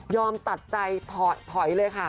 ตัดใจถอยเลยค่ะ